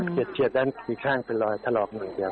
เกรียดด้านจะอยู่ด้านอีกข้างเกิดรอยถลอกหนึ่งเกียง